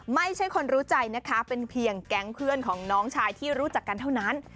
ไม่ใช่คนรู้ใจนะคะเป็นเพียงแก๊งเพื่อนของน้องชายที่รู้จักกันเท่านั้น